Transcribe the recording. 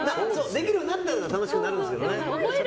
できるようになったら楽しくなるんですよね。